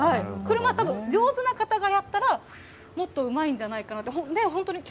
車、たぶん、上手な方がやったら、もっとうまいんじゃないかなと。